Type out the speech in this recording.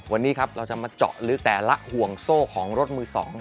วันนี้ครับเราจะมาเจาะลึกแต่ละห่วงโซ่ของรถมือ๒